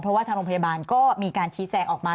เพราะว่าทางโรงพยาบาลก็มีการชี้แจงออกมา